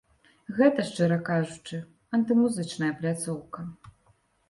Гэта, шчыра кажучы, антымузычная пляцоўка.